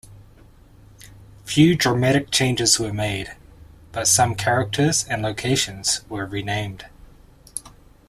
Few dramatic changes were made, but some characters and locations were renamed.